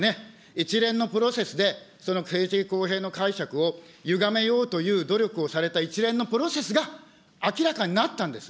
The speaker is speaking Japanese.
一連のプロセスで、その政治的公平の解釈をゆがめようという努力をされた一連のプロセスが明らかになったんです。